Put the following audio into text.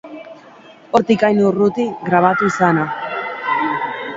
Hortik hain urruti grabatu izana.